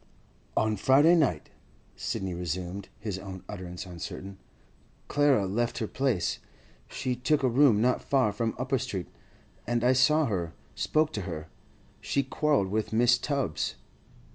'On Friday night,' Sidney resumed, his own utterance uncertain, 'Clara left her place. She took a room not far from Upper Street, and I saw her, spoke to her. She'd quarrelled with Mrs. Tubbs.